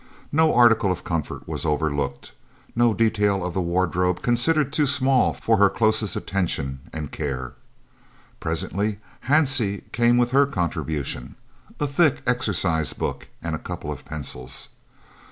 No article of comfort was overlooked, no detail of the wardrobe considered too small for her closest attention and care. Presently Hansie came with her contribution, a thick exercise book and a couple of pencils.